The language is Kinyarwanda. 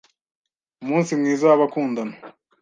Umunsi mwiza w'abakundana.